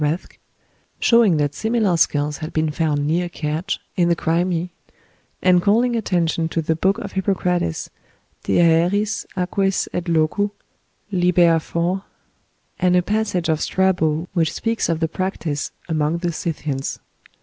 Rathke, showing that similar skulls had been found near Kertsch, in the Crimea, and calling attention to the book of Hippocrates, "De Aeris, Aquis et Locu," lib. iv., and a passage of Strabo, which speaks of the practice among the Scythians.